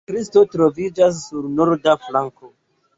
Sakristio troviĝas sur norda flanko.